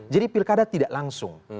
jadi pilkada tidak langsung